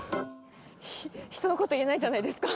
人のこと言えないじゃないですか。